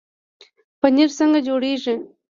پنیر څنګه جوړیږي؟